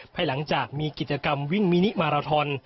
ภายหลังจากมีกิจกรรมวิ่งมินิมาราทอน